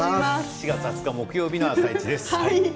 ７月２０日木曜日の「あさイチ」です。